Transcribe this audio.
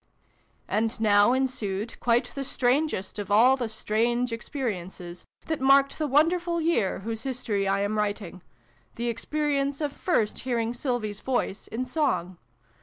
" And now ensued quite the strangest of all the strange experiences that marked the won derful year whose history I am writing the experience of first hearing Sylvie's voice in song.